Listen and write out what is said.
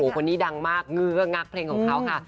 คนนี้ดังมากเงื้องักเพลงของเขาค่ะ